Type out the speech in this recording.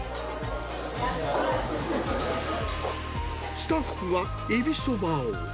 スタッフはエビそばを。